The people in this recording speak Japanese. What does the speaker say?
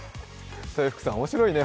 豊福さん面白いね。